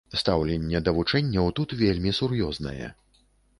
Стаўленне да вучэнняў тут вельмі сур'ёзнае.